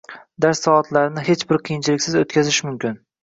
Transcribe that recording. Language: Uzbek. Dars soatlarini hech bir qiyinchiliksiz o’tkazish mumkin.